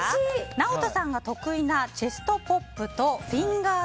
ＮＡＯＴＯさんが得意なチェストポップとフィンガー